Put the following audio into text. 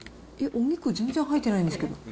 お肉全然入ってないんですけど。